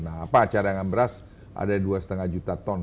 nah apa cadangan beras ada dua lima juta ton